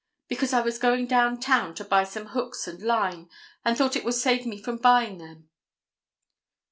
"Because I was going down town to buy some hooks and line, and thought it would save me from buying them."